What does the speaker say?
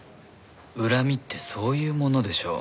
恨みってそういうものでしょ。